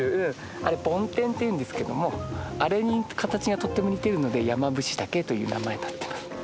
あれ梵天っていうんですけどもあれに形がとっても似てるのでヤマブシタケという名前になってます。